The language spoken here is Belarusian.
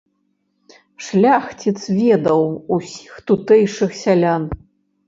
Шляхціц ведаў усіх тутэйшых сялян.